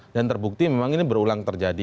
dan terbukti memang ini berulang terjadi